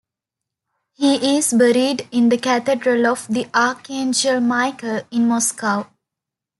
He is buried in the Cathedral of the Archangel Michael in Moscow.